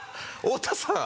太田さん。